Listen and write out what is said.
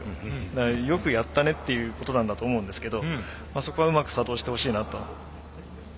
だからよくやったねっていうことなんだと思うんですけどそこはうまく作動してほしいなと。